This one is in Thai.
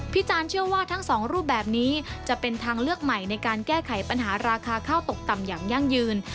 จานเชื่อว่าทั้งสองรูปแบบนี้จะเป็นทางเลือกใหม่ในการแก้ไขปัญหาราคาข้าวตกต่ำอย่างยั่งยืน